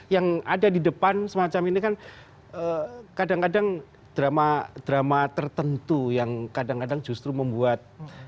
yang ada di depan semacam ini kan kadang kadang drama drama tertentu yang kadang kadang justru membuat